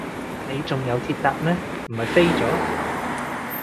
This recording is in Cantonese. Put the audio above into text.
你仲有鐵搭咩，唔係飛咗？